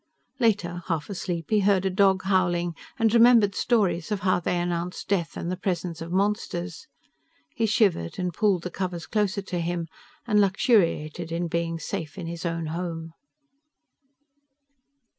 Later, half asleep, he heard a dog howling, and remembered stories of how they announced death and the presence of monsters. He shivered and pulled the covers closer to him and luxuriated in being safe in his own home.